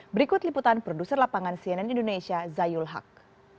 berikut liputan produser lapangan cnn indonesia zayul haq